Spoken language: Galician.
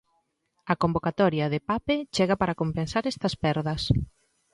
A convocatoria de Pape chega para compensar estas perdas.